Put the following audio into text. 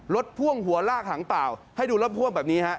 พ่วงหัวลากหางเปล่าให้ดูรถพ่วงแบบนี้ฮะ